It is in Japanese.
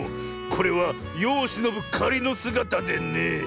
これはよをしのぶかりのすがたでね。